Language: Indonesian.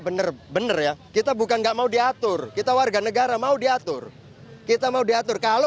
benar benar ya kita bukan nggak mau diatur kita warga negara mau diatur kita mau diatur kalau